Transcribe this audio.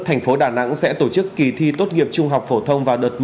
thành phố đà nẵng sẽ tổ chức kỳ thi tốt nghiệp trung học phổ thông vào đợt một